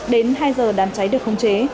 đến hai giờ đám cháy được khống chế